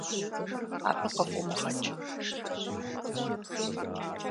Абы къыфӀумыгъэкӀ.